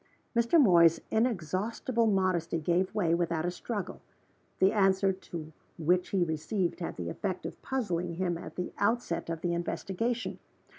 Mr. Moy's inexhaustible modesty gave way, without a struggle. The answer which he received had the effect of puzzling him at the outset of the investigation.